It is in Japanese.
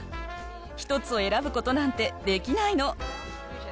１つを選ぶことなんてできないの。